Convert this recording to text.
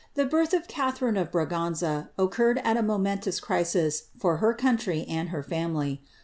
birth of Catharine of Braganza occurred at a momentous crisis country and her family.